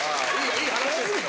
いい話ですけど。